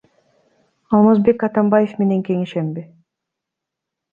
Алмазбек Атамбаев менен кеңешемби?